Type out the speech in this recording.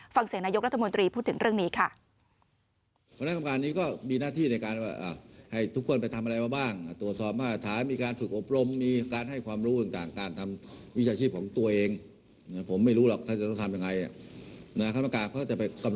ฟังเสียงนายกรัฐมนตรีพูดถึงเรื่องนี้ค่ะ